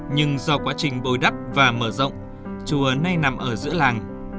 nhưng do quá trình bồi đắp và mở rộng chùa nay nằm ở giữa làng